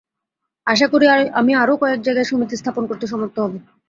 আশা করি, আমি আরও কয়েক জায়গায় সমিতি স্থাপন করতে সমর্থ হব।